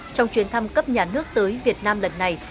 trong chuyến thăm cấp nhà nước tới việt nam lần này